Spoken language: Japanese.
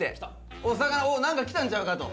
お魚なんかきたんちゃうかと。